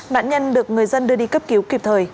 nạn nhân được người dân đưa đi cấp cứu kịp thời